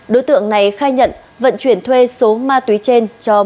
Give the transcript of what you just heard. đối tượng này khai nhận vận chuyển thuê số ma túy trên cho ma túy